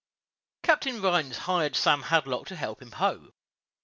Captain Rhines hired Sam Hadlock to help him hoe.